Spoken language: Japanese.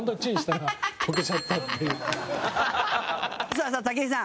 中居：さあ、武井さん。